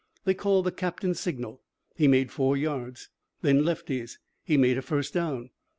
They called the captain's signal. He made four yards. Then Lefty's. He made a first down.